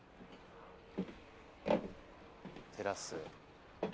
［テラス。］